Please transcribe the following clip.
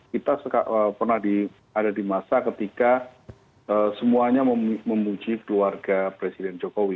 kita pernah ada di masa ketika semuanya memuji keluarga presiden jokowi